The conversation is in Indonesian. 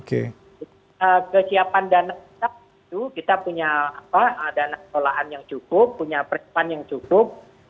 kesiapan dana kita itu kita punya dana sekolahan yang cukup punya persiapan yang cukup